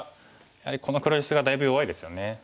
やはりこの黒石がだいぶ弱いですよね。